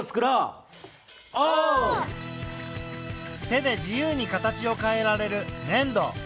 手で自由に形を変えられるねん土。